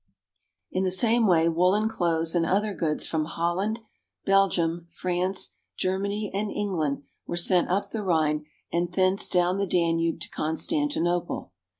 In the same way woolen clothes and other goods from Hol land, Belgium, France, Germany, and England, were sent up the Rhine and thence down the Danube to Constan tinople.